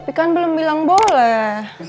tapi kan belum bilang boleh